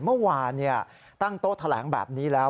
เมื่อวานตั้งโต๊ะแถลงแบบนี้แล้ว